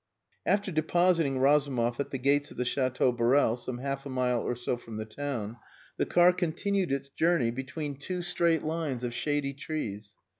After depositing Razumov at the gates of the Chateau Borel, some half a mile or so from the town, the car continued its journey between two straight lines of shady trees.